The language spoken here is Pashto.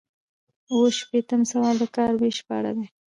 اووه شپیتم سوال د کار ویش په اړه دی.